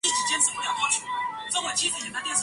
该镇另有一座大圣马利亚堂。